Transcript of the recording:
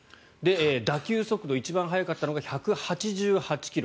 打球速度、一番速かったのが１８８ｋｍ。